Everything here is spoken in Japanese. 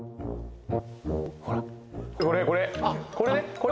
これ。